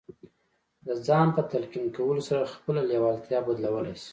د ځان په تلقين کولو سره خپله لېوالتیا بدلولای شئ.